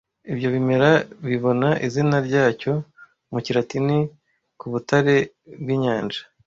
Ibyo bimera bibona izina ryacyo mu kilatini kubutare bwinyanja